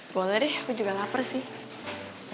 boleh deh aku juga lapar sih